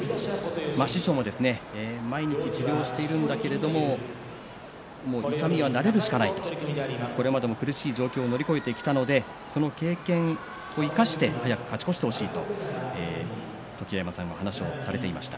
師匠は毎日治療しているんだけれど痛みには慣れしかないこれまでも苦しい状況を乗り越えてきたのでその経験を生かして早く勝ち越してほしいと話していました。